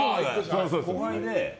後輩で。